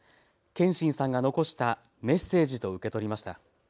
謙真さんが残したメッセージと受け取りました。